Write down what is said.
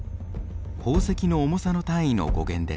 宝石の重さの単位の語源です。